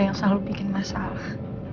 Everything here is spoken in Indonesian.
yang selalu bikin masalah